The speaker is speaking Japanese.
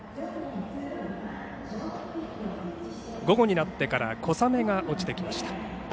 午後になってから小雨が落ちてきました。